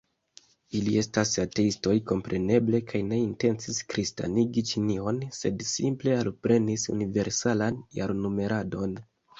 Ili estas ateistoj, kompreneble, kaj ne intencis kristanigi Ĉinion, sed simple alprenis universalan jarnumeradon.